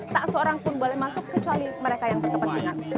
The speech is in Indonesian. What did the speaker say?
tak seorang pun boleh masuk kecuali mereka yang berkepentingan